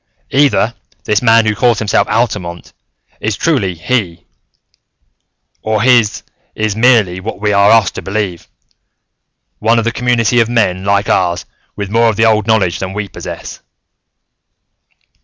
"Either this man who calls himself Altamont is truly He, or his is merely what we are asked to believe, one of a community of men like ours, with more of the old knowledge than we possess."